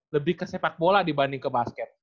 lebih ke sepak bola dibanding ke basket